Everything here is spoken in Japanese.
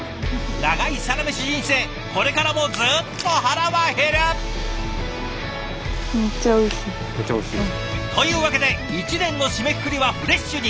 長いサラメシ人生これからもずっと腹は減る！というわけで一年の締めくくりはフレッシュに！